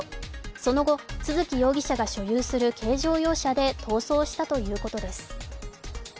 その後、都築容疑者が所有する軽乗用車で逃走したということです。